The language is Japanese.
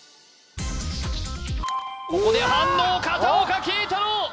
ここで反応片岡桂太郎！